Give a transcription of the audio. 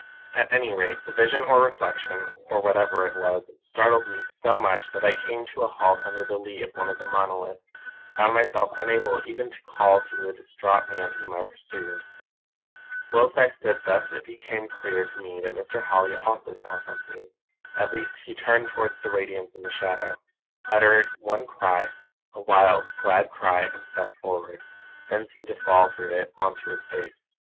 "At any rate the vision or reflection, or whatever it was, startled me so much that I came to a halt under the lee of one of the monoliths, and found myself unable even to call to the distraught man whom I pursued. "Whilst I stood thus it became clear to me that Mr. Holly also saw something. At least he turned towards the Radiance in the shadow, uttered one cry; a wild, glad cry, and stepped forward; then seemed to fall through it on to his face.